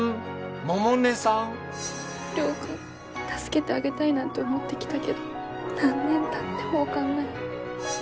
亮君助けてあげたいなんて思ってきたけど何年たっても分かんない。